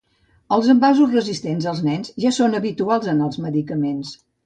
Els envasos resistents als nens ja són habituals en els medicaments.